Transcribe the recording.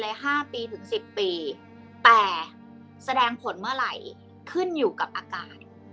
แต่ถ้ามันวิวัตน์ไปตีเลย๕๑๐ปีแต่แสดงผลเมื่อไหร่ขึ้นอยู่กับอากาศ